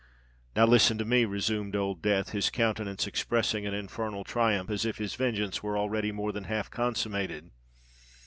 "Now listen to me," resumed Old Death, his countenance expressing an infernal triumph, as if his vengeance were already more than half consummated.